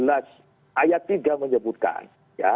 ayat tiga menyebutkan